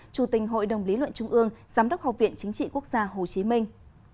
chủ tình hội đồng lý luận trung ương giám đốc học viện chính trị quốc gia hồ chí minh